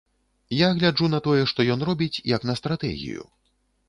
Я гляджу на тое, што ён робіць, як на стратэгію.